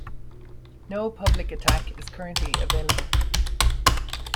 No public attack is currently available.